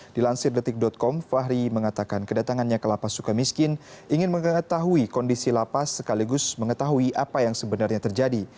dilansir detik com fahri mengatakan kedatangannya ke lapas suka miskin ingin mengetahui kondisi lapas sekaligus mengetahui apa yang sebenarnya terjadi